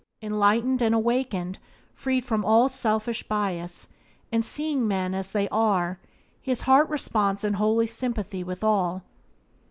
Enlightened and awakened, freed from all selfish bias, and seeing men as they are, his heart responds in holy sympathy with all.